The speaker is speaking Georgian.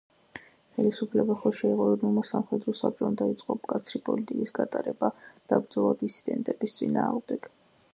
ხელისუფლება ხელში აიღო „ეროვნულმა სამხედრო საბჭომ“ დაიწყო მკაცრი პოლიტიკის გატარება და ბრძოლა დისიდენტების წინააღმდეგ.